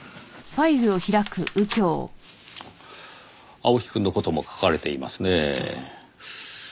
青木くんの事も書かれていますねぇ。